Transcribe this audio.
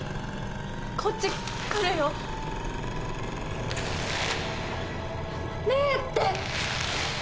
こっち来るよねえって！